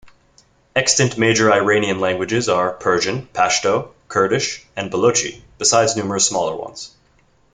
Extant major Iranian languages are Persian, Pashto, Kurdish, and Balochi besides numerous smaller ones.